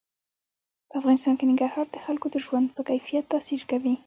په افغانستان کې ننګرهار د خلکو د ژوند په کیفیت تاثیر کوي.